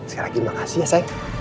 sekali lagi makasih ya saya